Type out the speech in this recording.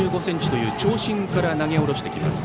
１ｍ８５ｃｍという長身から投げ下ろしてきます。